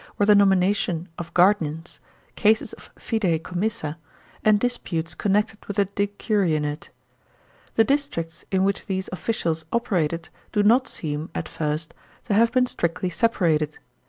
CHAP xxvi nomination of guardians, cases of fidei commissa,* and dis putes connected with the decurionate. The districts in which these officials operated do not seem, at first, to have been strictly separated.